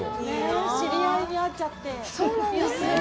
知り合いに会っちゃってそうなんですよ